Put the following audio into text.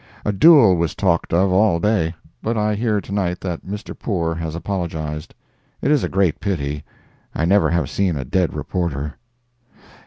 A duel was talked of all day, but I hear to night that Mr. Poore has apologized. It is a great pity. I never have seen a dead reporter.